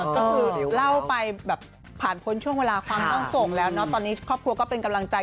ก็คือเล่าไปแบบผ่านพ้นช่วงเวลาความต้องส่งแล้วเนอะตอนนี้ครอบครัวก็เป็นกำลังใจ